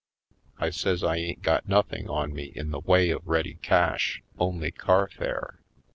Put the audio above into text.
I says I ain't got nothing on me in the way of ready cash, only carfare.